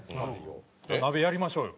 鍋やりましょうよ。